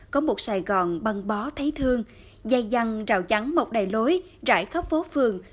có một sài gòn băng bó thấy thương dây dăng rào chắn mọc đầy lối rải khắp phố phường